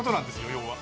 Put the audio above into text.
要は。